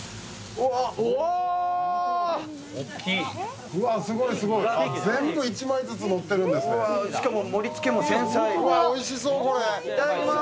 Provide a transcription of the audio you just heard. おいしそう、これ。